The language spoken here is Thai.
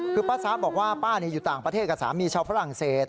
คือป้าซ้าบอกว่าป้าอยู่ต่างประเทศกับสามีชาวฝรั่งเศส